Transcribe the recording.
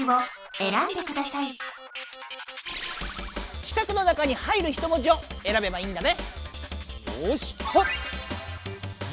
四角の中に入る一文字をえらべばいいんだね。